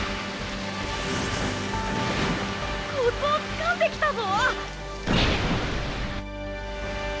コツをつかんできたぞ！